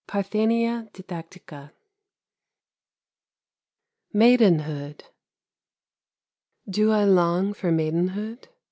PARTHENEIA DIDAKTIKA MAIDENHOOD Do I long for maidenhood?